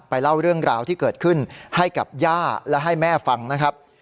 เล่าเรื่องราวที่เกิดขึ้นให้กับย่าและให้แม่ฟังนะครับ